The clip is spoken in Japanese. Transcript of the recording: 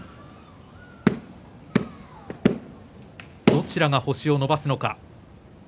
どちらが星を伸ばすのか。